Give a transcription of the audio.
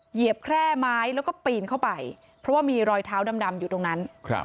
เหยียบแคร่ไม้แล้วก็ปีนเข้าไปเพราะว่ามีรอยเท้าดำอยู่ตรงนั้น